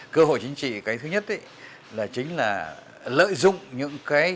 cơ hội chính trị thứ nhất là lợi dụng những chủ yếu